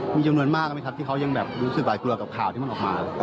มีจำนวนมากไหมครับที่เขายังแบบรู้สึกหวาดกลัวกับข่าวที่มันออกมา